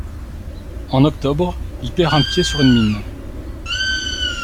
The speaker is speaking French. En octobre, il perd un pied sur une mine.